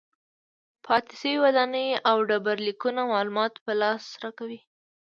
پاتې شوې ودانۍ او ډبرلیکونه معلومات په لاس راکوي.